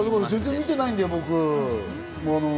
全然僕、見てないんだよ。